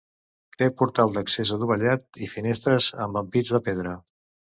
Té portal d'accés adovellat, i finestres amb ampits de pedra.